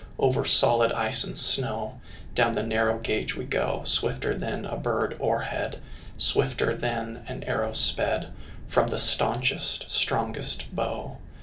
Over solid ice and snow, Down the narrow gauge we go Swifter than a bird o'erhead, Swifter than an arrow sped From the staunchest, strongest bow.